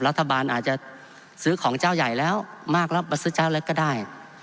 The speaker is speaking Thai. รัฐบาลอาจจะซื้อของเจ้าใหญ่แล้วมากแล้วมาซื้อเจ้าเล็กก็ได้